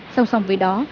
song song với đó